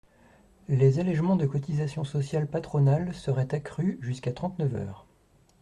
Les allégements de cotisations sociales patronales seraient accrus jusqu’à trente-neuf heures ».